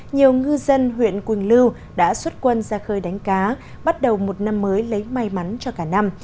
nhiều ngư dân huyện quỳnh lưu đã xuất quân ra khơi đánh cá bắt đầu một năm mới lấy may mắn cho cả năm